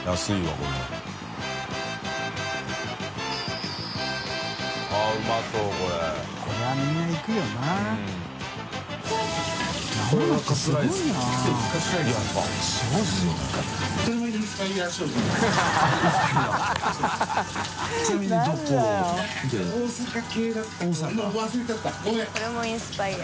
これもインスパイア。